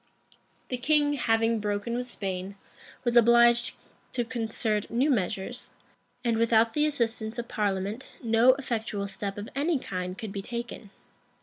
{1624.} The king, having broken with Spain, was obliged to concert new measures; and, without the assistance of parliament, no effectual step of any kind could be taken.